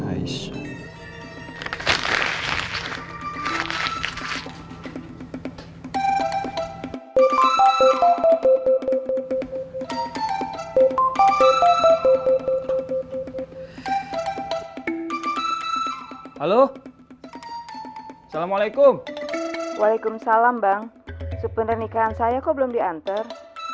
halo assalamualaikum waalaikumsalam bang sepenuh nikahan saya kok belum diantar